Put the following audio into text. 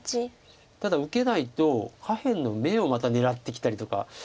ただ受けないと下辺の眼をまた狙ってきたりとか。